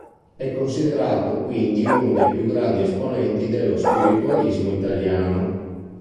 È considerato quindi uno dei più grandi esponenti dello spiritualismo italiano.